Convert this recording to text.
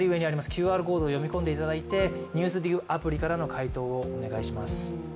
ＱＲコードを読み込んでいただいて「ＮＥＷＳＤＩＧ」アプリからの回答をお願いします。